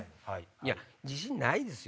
いや自信ないですよ。